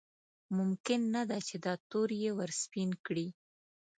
ممکن نه ده چې دا تور یې ورسپین کړي.